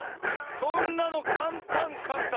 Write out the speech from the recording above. そんなのかんたんかんたん。